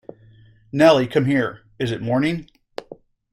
Nelly, come here — is it morning?